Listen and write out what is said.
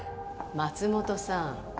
松本さん